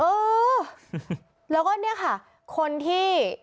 เออแล้วก็เนี่ยค่ะคนที่